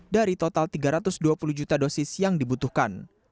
dari total tiga ratus dua puluh juta dosis yang dibutuhkan